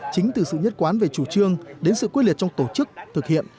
chính từ sự nhất quán về chủ trương đến sự quyết liệt trong tổ chức thực hiện